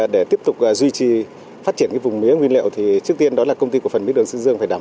để ổn định vùng mía nguyên liệu hiện tỉnh tuyên quang đã có chính sách tăng mức vai